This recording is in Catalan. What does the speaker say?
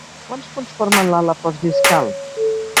Quants punts formen l'ala postdiscal?